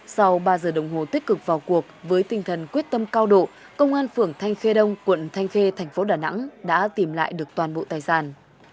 sau ba giờ đồng hồ tích cực vào cuộc với tinh thần quyết tâm cao độ công an phường thanh khê đông quận thanh khê thành phố đà nẵng đã tìm lại được toàn bộ tài sản